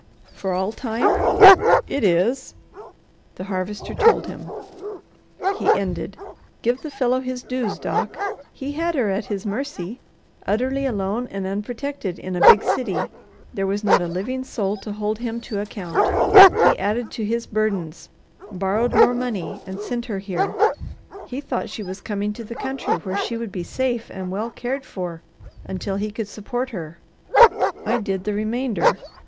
"For all time?" "It is." The Harvester told him. He ended, "Give the fellow his dues, Doc. He had her at his mercy, utterly alone and unprotected, in a big city. There was not a living soul to hold him to account. He added to his burdens, borrowed more money, and sent her here. He thought she was coming to the country where she would be safe and well cared for until he could support her. I did the remainder.